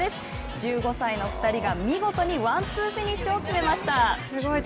１５歳の２人が見事にワン・ツーフィニッシュを決めました。